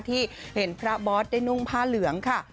ที่เห็นพระบอสได้นุ่งผ้าเหลืองค่ะ